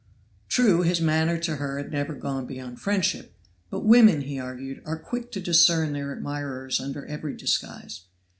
True, his manner to her had never gone beyond friendship, but women, he argued, are quick to discern their admirers under every disguise.